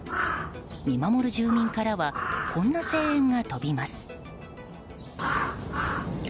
見守る住民からはこんな声援が飛びます。